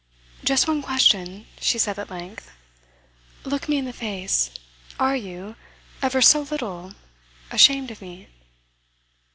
'Just one question,' she said at length. 'Look me in the face. Are you ever so little ashamed of me?